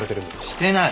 してない。